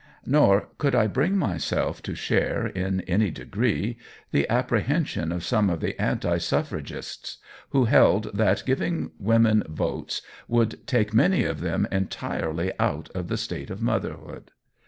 Nor could I bring myself to share, in any degree, the apprehension of some of the anti suffragists who held that giving women votes would take many of them entirely out of the state of motherhood.